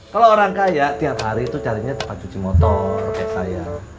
kalau orang kaya tiap hari itu carinya tempat cuci motor kayak saya